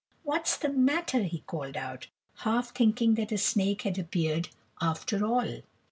"What's the matter?" he called out, half thinking that a snake had appeared after all.